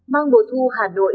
mang mùa thu hà nội